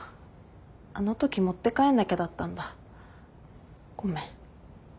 あのとき持って帰んなきゃだったんだ。ごめん。